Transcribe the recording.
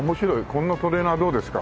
こんなトレーナーどうですか？